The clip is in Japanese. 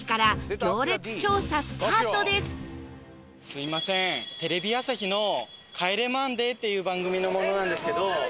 すみませんテレビ朝日の『帰れマンデー』っていう番組の者なんですけど。